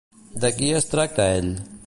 De qui es tracta ell?